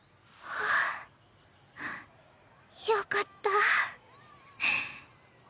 はあよかった